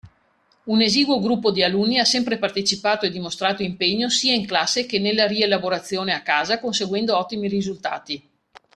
Un esiguo gruppo di alunni ha sempre partecipato e dimostrato impegno sia in classe che nella rielaborazione a casa, conseguendo ottimi risultati.